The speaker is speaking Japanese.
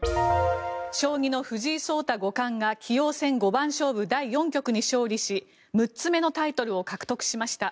将棋の藤井聡太五冠が棋王戦五番勝負第４局に勝利し６つ目のタイトルを獲得しました。